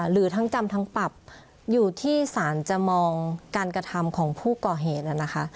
หรือทั้งจำทั้งปรับอยู่ที่สารจะมองการกระทำของผู้ก่อเหตุนะคะ